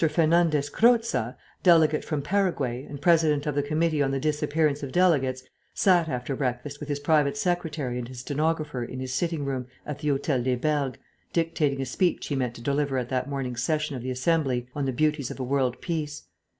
Fernandez Croza, delegate from Paraguay, and President of the Committee on the Disappearance of Delegates, sat after breakfast with his private secretary and his stenographer in his sitting room at the Hotel des Bergues, dictating a speech he meant to deliver at that morning's session of the Assembly on the beauties of a world peace.